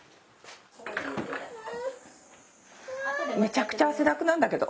めちゃくちゃ汗だくなんだけど。